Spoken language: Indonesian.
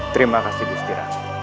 terima kasih gustira